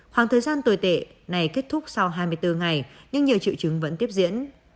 khoảng thời gian tồi tệ này kết thúc sau hai mươi bốn ngày nhưng nhiều triệu chứng vẫn tiếp diễn